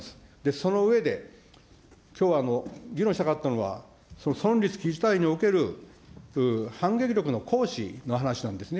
その上で、きょうは議論したかったのは、存立危機事態における反撃力の行使の話なんですね。